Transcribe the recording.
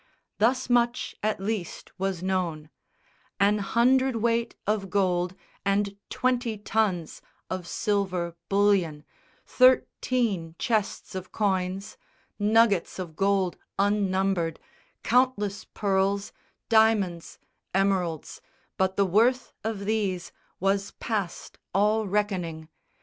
Thus much at least was known: An hundredweight of gold, and twenty tons Of silver bullion; thirteen chests of coins; Nuggets of gold unnumbered; countless pearls, Diamonds, emeralds; but the worth of these Was past all reckoning.